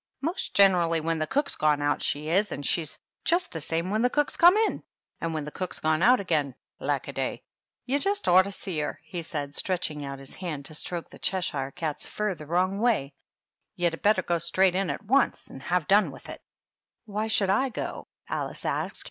" Most generally when the cook's gone out she is. And she's just the same when the cook's come in. And when the cook's gone out again — lackaday ! You just ought to see her !" he said, stretching out his hand to stroke the Cheshire THE DUCHESS AND HER HOUSE. 49 cat's fiir the wrong way. "You'd better go straight in at once and have done with it." "Why should I goT AUce asked.